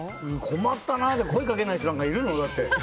困ったなで声をかけない人なんているの？